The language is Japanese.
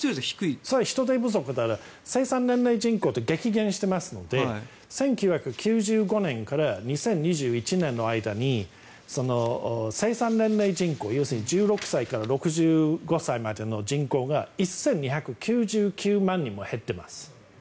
それは人手不足だから生産年齢人口って激減してますから１９９５年から２０２１年の間に生産年齢人口１６歳から６５歳までの人口が１２９９万人も減ってます。